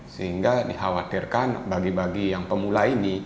sehingga dikhawatirkan bagi bagi yang pemulai